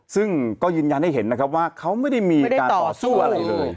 ซึ่งก็ยืนยันให้เห็นนะครับว่าเขาไม่ได้มีการต่อสู้อะไรเลย